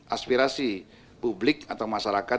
aspirasi publik atau masyarakat